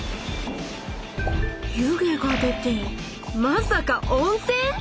湯気が出てまさか温せん⁉